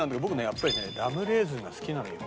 やっぱりねラムレーズンが好きなのよ。